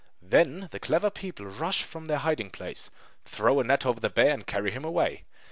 Then the clever people rush in from their hiding place, throw a net over the bear, and carry him away.